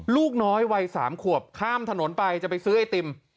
ลูกน้อยวัย๓ขวบข้ามถนนไปจะไปซื้อไอติม